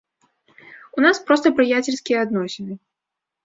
У нас проста прыяцельскія адносіны.